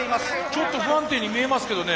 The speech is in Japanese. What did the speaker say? ちょっと不安定に見えますけどね